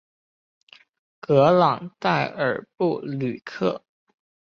格朗代尔布吕克。